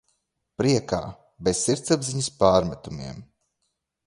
Priekā! Bez sirdsapziņas pārmetumiem.